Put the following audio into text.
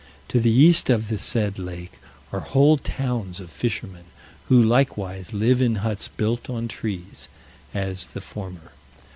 To the east of the said lake are whole towns of fishermen, who likewise live in huts built on trees, as the former.